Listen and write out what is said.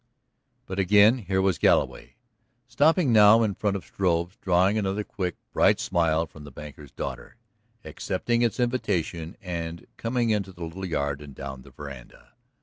But again here was Galloway, stopping now in front of Struve's, drawing another quick, bright smile from the banker's daughter, accepting its invitation and coming into the little yard and down the veranda.